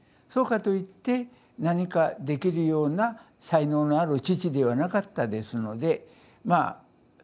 そうかといって何かできるような才能のある父ではなかったですのでまあ